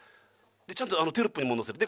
ちゃんとテロップにも載せる。